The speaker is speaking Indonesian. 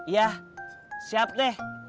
ya siap teh